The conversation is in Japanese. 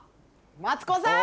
マツコさん！